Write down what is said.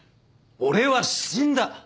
俺は死んだ。